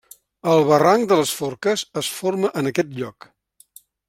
El barranc de les Forques es forma en aquest lloc.